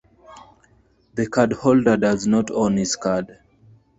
The Cardholder does not own this card.